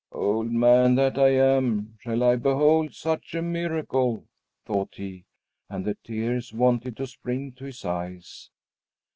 "Old man that I am, shall I behold such a miracle?" thought he, and the tears wanted to spring to his eyes.